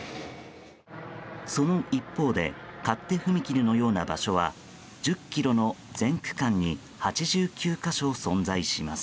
その一方で勝手踏切のような場所は１０ｋｍの全区間に８９か所存在します。